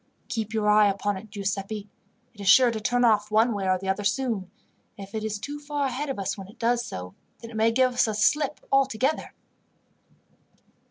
"Keep your eye upon it, Giuseppi. It is sure to turn off one way or the other soon, and if it is too far ahead of us when it does so, then it may give us the slip altogether."